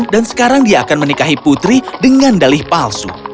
sekarang dia akan menikahi putri dengan dalih palsu